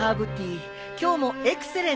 今日もエクセレントだね。